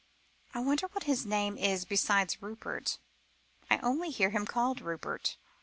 I wonder what his name is besides Rupert? I only heard him called Rupert."